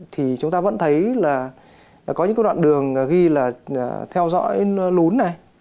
thì chúng ta vẫn thấy là có những cái đoạn đường ghi là theo dõi lún này